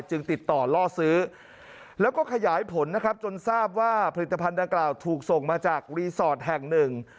จึงติดต่อล่อซื้อแล้วก็ขยายผลนะครับจนทราบว่าผลิตภัณฑ์ดังกล่าวถูกส่งมาจากรีสอร์ทแห่งหนึ่ง